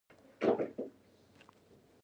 ما وویل: هنري، فرېډریک هنري، دا زما بشپړ نوم دی.